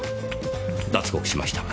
脱獄しました。